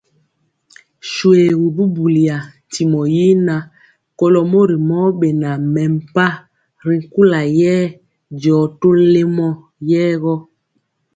Shoégu buliya, ntimɔ yi ŋan, kɔlo mori mɔ bɛna mɛmpah ri kula yɛ diɔ tɔlemɔ yɛɛ gɔ.